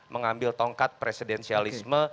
mengambil tongkat presidensialisme